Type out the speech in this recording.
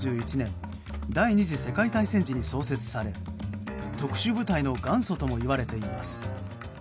第２次世界大戦時に創設され特殊部隊の元祖ともいわれています。